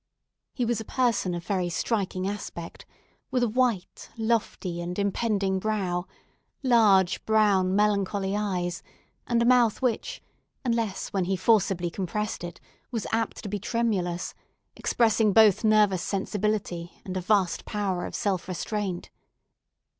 He was a person of very striking aspect, with a white, lofty, and impending brow; large, brown, melancholy eyes, and a mouth which, unless when he forcibly compressed it, was apt to be tremulous, expressing both nervous sensibility and a vast power of self restraint.